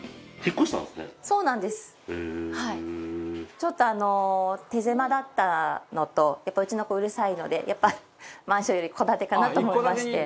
ちょっとあの手狭だったのとやっぱりうちの子うるさいのでマンションより戸建てかなと思いまして。